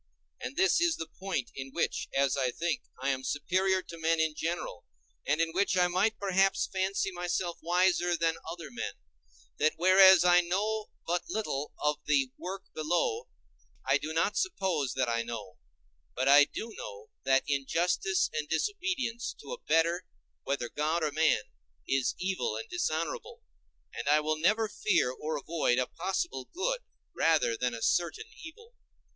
And this is the point in which, as I think, I am superior to men in general, and in which I might perhaps fancy myself wiser than other men—that whereas I know but little of the world below, I do not suppose that I know: but I do know that injustice and disobedience to a better, whether God or man, is evil and dishonorable, and I will never fear or avoid a possible good rather than a certain evil.